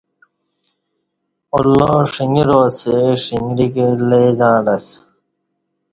اللہ ݜنگرا اسہ ݜنگریکی لئے زعݩلہ اسہ